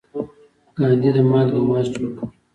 ګاندي د مالګې مارچ وکړ.